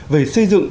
về xây dựng